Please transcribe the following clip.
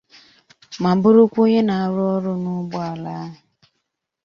ma bụrụkwa onye na-arụ ọrụ n'ụgbọala ahụ